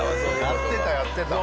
やってたやってた。